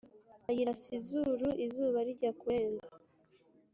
ayirasa izuru izuba rijya kurenga